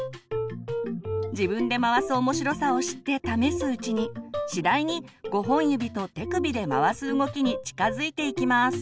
自分で回す面白さを知って試すうちに次第に５本指と手首で回す動きに近づいていきます。